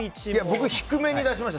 僕、低めに出しました。